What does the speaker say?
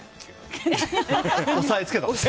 押さえつけた。